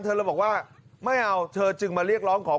แต่เรามาบอกว่าไม่เอาเธอจึงมาเรียกร้องสอบกระจัง